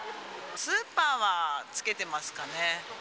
スーパーは着けてますかね。